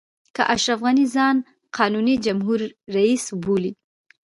که اشرف غني ځان قانوني جمهور رئیس بولي.